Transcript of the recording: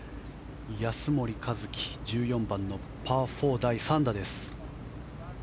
安森一貴、１４番のパー４第３打です。